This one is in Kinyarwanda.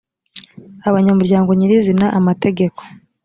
abanyamuryango nyirizina amategeko.